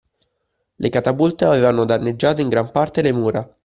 Le catapulte avevano danneggiato in gran parte le mura